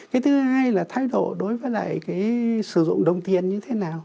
cái thứ hai là thái độ đối với lại cái sử dụng đồng tiền như thế nào